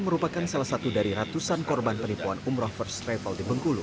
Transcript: merupakan salah satu dari ratusan korban penipuan umroh first travel di bengkulu